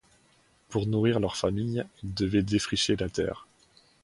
Pour nourrir leur famille, ils devaient défricher la terre.